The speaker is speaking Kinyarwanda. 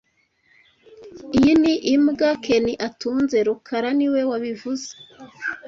Iyi ni imbwa Ken atunze rukara niwe wabivuze